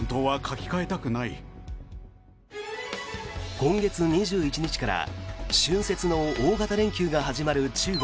今月２１日から春節の大型連休が始まる中国。